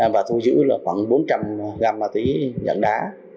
và thu giữ khoảng bốn trăm linh gram ma túy nhận đá